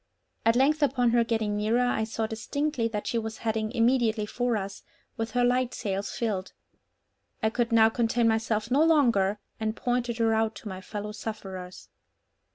At length upon her getting nearer, I saw distinctly that she was heading immediately for us, with her light sails filled. I could now contain myself no longer, and pointed her out to my fellow sufferers.